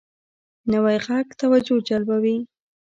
نوی غږ توجه جلبوي